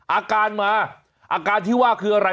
อาการมาอาการที่ว่าคืออะไร